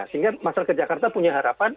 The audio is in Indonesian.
sehingga masyarakat jakarta punya harapan